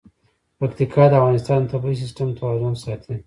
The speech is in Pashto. پکتیکا د افغانستان د طبعي سیسټم توازن ساتي.